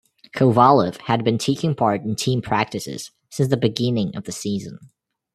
Kovalev had been taking part in team practices since the beginning of the season.